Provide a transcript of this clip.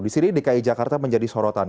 di sini dki jakarta menjadi sorotan